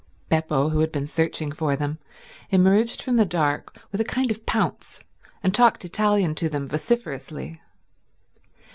Beppo, who had been searching for them, emerged from the dark with a kind of pounce and talked Italian to them vociferously.